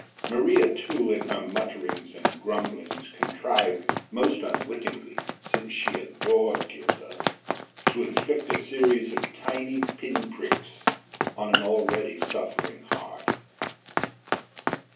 Maria too, in her mutterings and grumblings, contrived most unwittingly, since she adored Gilda to inflict a series of tiny pin pricks on an already suffering heart.